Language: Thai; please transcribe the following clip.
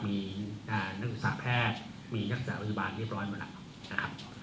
มีนักอุตส่าห์แพทย์มีนักศึกษาวิทยุบาลเรียบร้อยหมดแล้ว